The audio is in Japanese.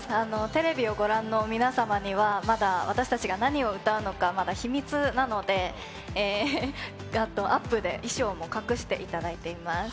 テレビをご覧の皆様には、まだ私たちが何を歌うのか、まだ秘密なので、アップで、衣装も隠していただいています。